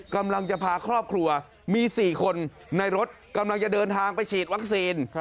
กำลังจะพาครอบครัวมี๔คนในรถกำลังจะเดินทางไปฉีดวัคซีน